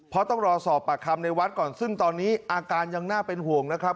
เพราะต้องรอสอบปากคำในวัดก่อนซึ่งตอนนี้อาการยังน่าเป็นห่วงนะครับ